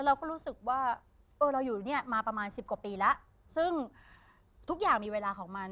เราก็รู้สึกว่าเออเราอยู่เนี่ยมาประมาณสิบกว่าปีแล้วซึ่งทุกอย่างมีเวลาของมัน